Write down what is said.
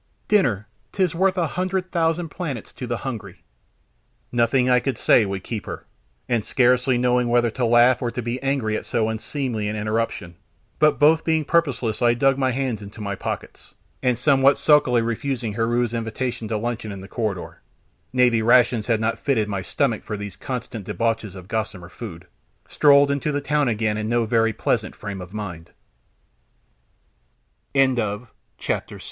"Dinner! 'Tis worth a hundred thousand planets to the hungry!" Nothing I could say would keep her, and, scarcely knowing whether to laugh or to be angry at so unseemly an interruption, but both being purposeless I dug my hands into my pockets, and somewhat sulkily refusing Heru's invitation to luncheon in the corridor (Navy rations had not fitted my stomach for these constant debauches of gossamer food), strolled into the town again in no very pleasant frame of mind. CHAPTER VII It wa